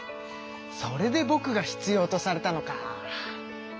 それでぼくが必要とされたのか。